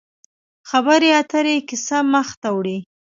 خبرې اترې کیسه مخ ته وړي.